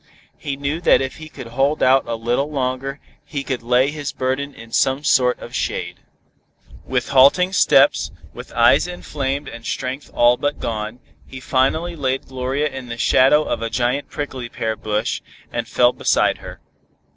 He knew that if he could hold out a little longer, he could lay his burden in some sort of shade. With halting steps, with eyes inflamed and strength all but gone, he finally laid Gloria in the shadow of a giant prickly pear bush, and fell beside her.